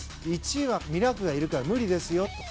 １位はミラークがいるから無理ですよって。